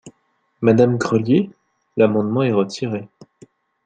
Madame Grelier ? L’amendement est retiré.